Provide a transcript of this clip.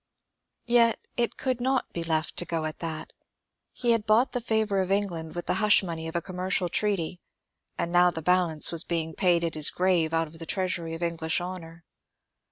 Yet it could not be left to go at that. He had bought the favour of England with the hush money of a commercial treaty, and now the balance was being paid at his grave out of the treasury of English honour.